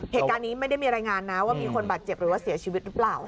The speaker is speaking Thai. เหตุการณ์นี้ไม่ได้มีรายงานนะว่ามีคนบาดเจ็บหรือว่าเสียชีวิตหรือเปล่า